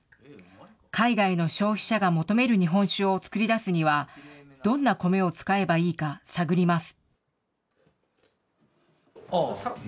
海外の消費者が求める日本酒を造り出すには、どんな米を使えばいいか探ります。